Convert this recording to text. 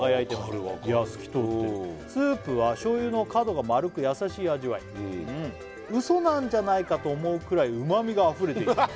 分かる分かるいや透き通ってる「スープは醤油の角が丸く優しい味わい」「嘘なんじゃないかと思うくらいうま味があふれていて」